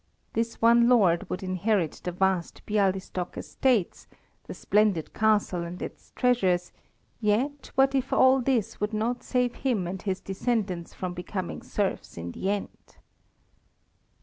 This one lord would inherit the vast Bialystok estates, the splendid castle and its treasures, yet what if all this would not save him and his descendants from becoming serfs in the end.